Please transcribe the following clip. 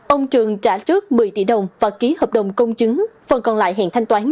ông trường trả trước một mươi tỷ đồng và ký hợp đồng công chứng phần còn lại hẹn thanh toán